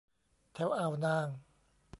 แถวอ่าวนาง